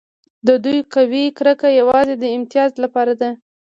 د دوی قومي کرکه یوازې د امتیاز لپاره ده.